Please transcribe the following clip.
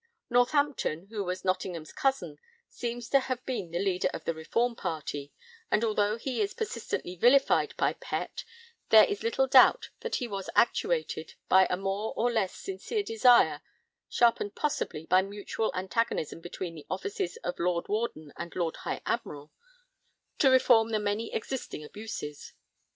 Northampton, who was Nottingham's cousin, seems to have been the leader of the reform party, and although he is persistently vilified by Pett, there is little doubt that he was actuated by a more or less sincere desire (sharpened, possibly, by mutual antagonism between the offices of Lord Warden and Lord High Admiral) to reform the many existing abuses.